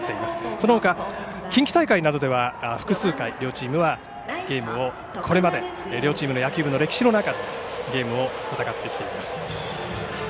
そのほか近畿大会などでは複数回、両チームの野球の歴史の中でゲームを戦ってきています。